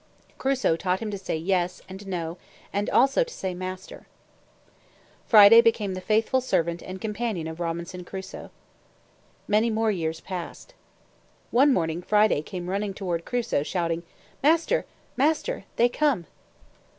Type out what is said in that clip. Crusoe taught him to say "Yes," and "No," and also to say "Master." Friday became the faithful servant and companion of Robinson Crusoe. Many more years passed. One morning Friday came running toward Crusoe, shouting, "Master! Master! They come!"